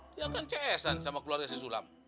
dia kan cs an sama keluarga si sulam